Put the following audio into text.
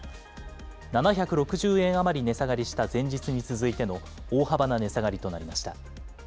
７６０円余り値下がりした前日に続いての大幅な値下がりとなりました。